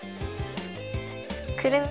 くるん。